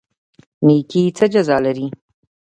نیکي څه جزا لري؟